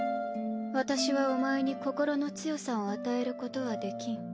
私はお前に心の強さを与えることはできん。